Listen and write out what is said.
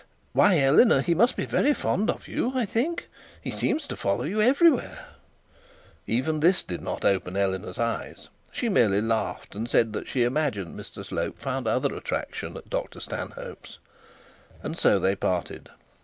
'Why, Eleanor, he must be very fond of you, I think; he seems to follow you everywhere.' Even this did not open Eleanor's eyes. She merely laughed, and said that she imagined Mr Slope found other attraction at Dr Stanhope's. And so they parted.